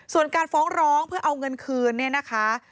ส่วนการฟ้องร้องเพื่อเอาเงินคืนเนี่ยนะคะ